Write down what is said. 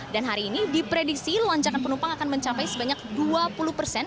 dan hari ini diprediksi lonjakan penumpang akan mencapai sebanyak dua puluh persen